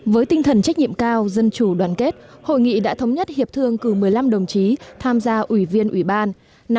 với tinh thần trách nhiệm cao dân chủ đoàn kết hội nghị đã thống nhất hiệp thương cử một mươi năm đồng chí tham gia ủy viên ủy ban